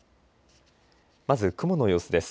まず雲の様子です。